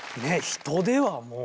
人ではもう。